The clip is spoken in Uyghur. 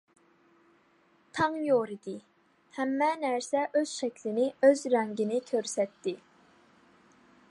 تاڭ يورۇدى، ھەممە نەرسە ئۆز شەكلىنى، ئۆز رەڭگىنى كۆرسەتتى.